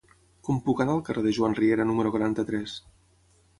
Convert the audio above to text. Com puc anar al carrer de Joan Riera número quaranta-tres?